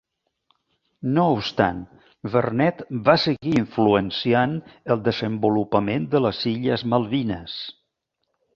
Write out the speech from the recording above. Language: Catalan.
No obstant, Vernet va seguir influenciant el desenvolupament de les illes Malvines.